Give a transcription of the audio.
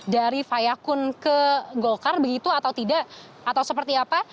dari fayakun ke golkar begitu atau tidak atau seperti apa